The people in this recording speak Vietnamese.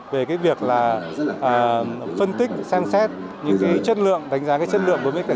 về cái việc là phân tích xem xét những cái chất lượng đánh giá cái chất lượng